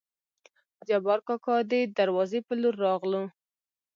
جبارکاکا دې دروازې په لور راغلو.